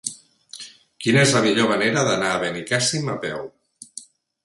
Quina és la millor manera d'anar a Benicàssim a peu?